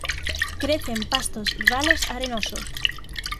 Crece en pastos ralos arenosos.